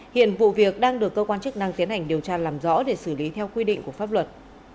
hiện vụ việc đang được cơ quan chức năng tiến hành điều tra làm rõ để xử lý theo quy định của pháp luật